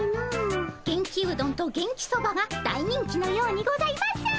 元気うどんと元気そばが大人気のようにございます。